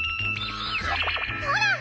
ほら！